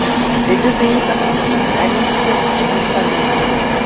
Les deux pays participent à l'Initiative des trois mers.